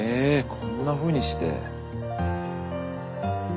こんなふうにして。